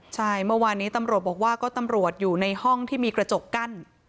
ใช่เมื่อวานนี้ตำรวจบอกว่าก็ตำรวจอยู่ในห้องที่มีกระจกกั้น